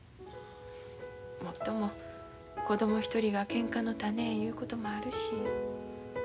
もっとも子供一人がけんかの種いうこともあるし。